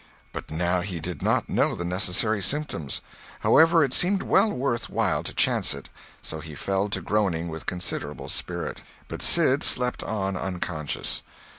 But now he did not know the necessary symptoms. However, it seemed well worth while to chance it, so he fell to groaning with considerable spirit. But Sid slept on unconscious.